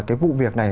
cái vụ việc này